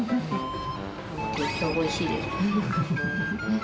超おいしいです。